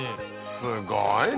すごいね。